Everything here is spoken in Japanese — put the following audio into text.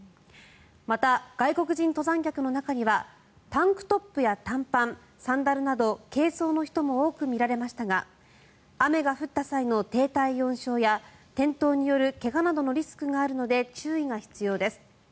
また、外国人登山客の中にはタンクトップや短パン、サンダルなど軽装の人も多く見られましたが雨が降った際の低体温症や転倒による怪我などのリスクがあるので注意が必要です。